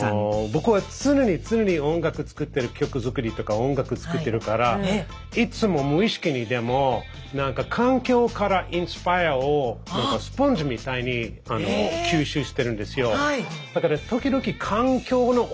僕は常に常に音楽作ってる曲作りとか音楽作ってるからいつも無意識にでも環境からインスパイアをスポンジみたいに吸収してるんですよ。